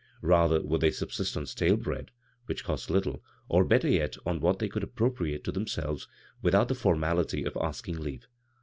Rather would they subsist on stale bread (which cost litde), or better yet on wiiat they could appropriate to themselves without the formality of asking leave.